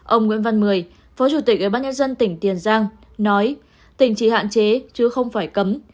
ông nguyễn văn mười phó chủ tịch ubnd tỉnh tiền giang nói tỉnh chỉ hạn chế chứ không phải cấm